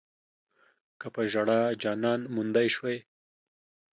که پۀ ژړا جانان موندی شوی